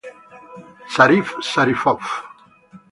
Şərif Şərifov